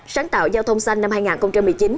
sáng tạo giao thông xanh năm hai nghìn một mươi chín